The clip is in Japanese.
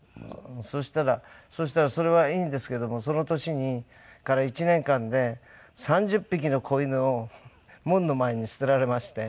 そしたらそれはいいんですけどもその年から１年間で３０匹の子犬を門の前に捨てられまして。